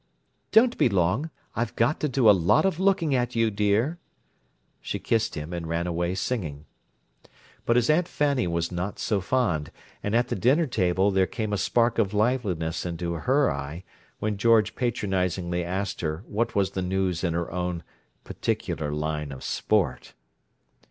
"Don't be long; I've got to do a lot of looking at you, dear!" She kissed him and ran away singing. But his Aunt Fanny was not so fond; and at the dinner table there came a spark of liveliness into her eye when George patronizingly asked her what was the news in her own "particular line of sport."